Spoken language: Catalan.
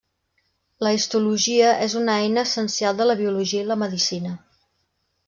La histologia és una eina essencial de la biologia i la medicina.